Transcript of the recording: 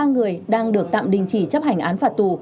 ba người đang được tạm đình chỉ chấp hành án phạt tù